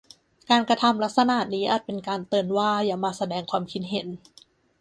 การกระทำลักษณะนี้อาจเป็นการเตือนว่าอย่ามาแสดงความคิดเห็น